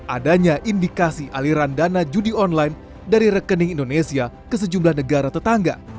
adanya indikasi aliran dana judi online dari rekening indonesia ke sejumlah negara tetangga